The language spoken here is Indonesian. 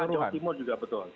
jawa tengah jawa timur juga betul